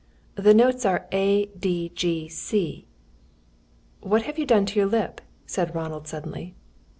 The notes are A, D, G, C." "What have you done to your lip?" said Ronald, suddenly.